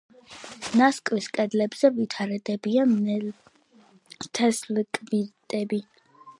ნასკვის კედლებზე ვითარდებიან თესლკვირტები.